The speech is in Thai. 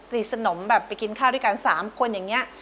สนมแบบไปกินข้าวด้วยกัน๓คนอย่างนี้